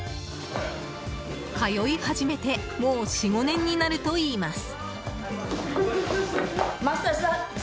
通い始めてもう４５年になるといいます。